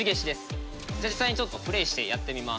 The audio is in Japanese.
実際にちょっとプレイしてやってみます。